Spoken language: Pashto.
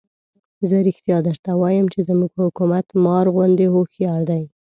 زه رښتیا درته وایم چې زموږ حکومت مار غوندې هوښیار دی.